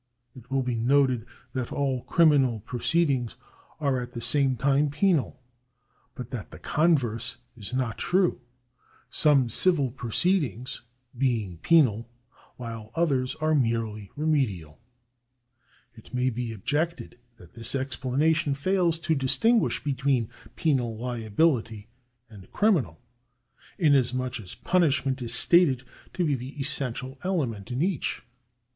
It will be noted that all criminal proceedings are at the same time penal, but that the § .34] THE ADMINISTRATION OF JUSTICE 89 converse is not trne, some civil proceedings being penal while others are merely remedial. It may be objected that this explanation fails to distinguish between penal liability and criminal, inasmuch as punish ment is stated to be the essential element in each.